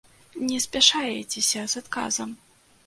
Не спяшаецеся з адказам.